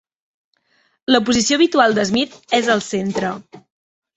La posició habitual de Smith és al centre.